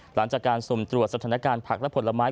หลังจากการสุ่มตรวจสถานการณ์ผักและผลไม้